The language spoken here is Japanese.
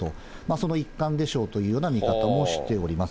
その一環でしょうというような見方もしております。